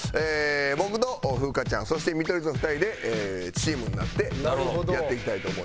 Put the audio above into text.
僕と風花ちゃんそして見取り図の２人でチームになってやっていきたいと思います。